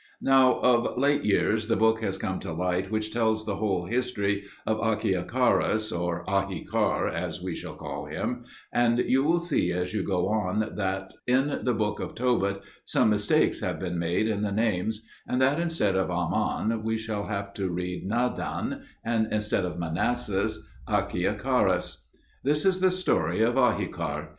Now of late years the book has come to light which tells the whole history of Achiacharus (or Ahikar, as we shall call him), and you will see as you go on that in the Book of Tobit some mistakes have been made in the names, and that instead of Aman we shall have to read Nadan, and instead of Manasses, Achiacharus. This is the story of Ahikar.